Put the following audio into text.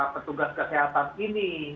petugas kesehatan ini